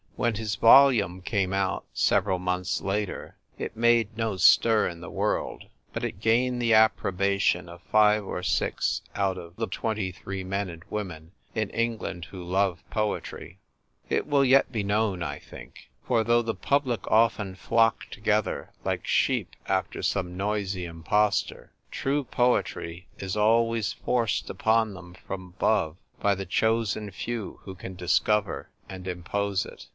When his >'olume came out, several months later, it made no stir in the world ; but it gained the approbation of five or six out of the twenty three men and women in England who love poetry It will yet be known, I think ; for though the public often fiock together like sheep after some noisy impostor, true poetry is always forced upon them from above by the chosen few who can discover and impose it.